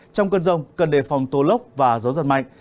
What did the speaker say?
trong cơn rông cần đề phòng tố lốc và gió giật mạnh